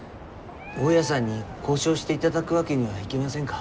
大家さんに交渉していただくわけにはいきませんか？